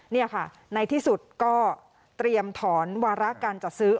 นี่ค่ะในที่สุดก็เตรียมถอนวาระการจัดซื้อ